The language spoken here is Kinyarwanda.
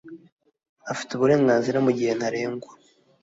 afite uburenganzira mu gihe ntarengwa